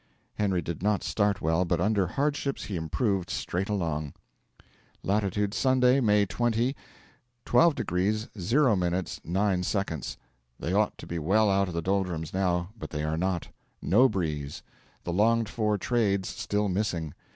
Henry did not start well, but under hardships he improved straight along. Latitude, Sunday, May 20, 12 degrees 0 minutes 9 seconds. They ought to be well out of the doldrums now, but they are not. No breeze the longed for trades still missing.